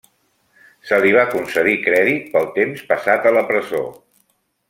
Se li va concedir crèdit pel temps passat a la presó.